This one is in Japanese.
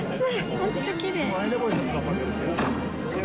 めっちゃきれい。